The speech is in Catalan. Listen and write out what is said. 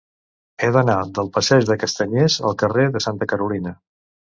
He d'anar del passeig dels Castanyers al carrer de Santa Carolina.